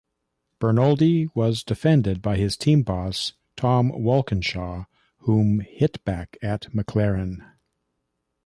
Bernoldi was defended by his team boss Tom Walkinshaw, whom hit back at McLaren.